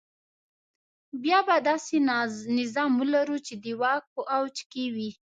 بیا به داسې نظام ولرو چې د واک په اوج کې وي.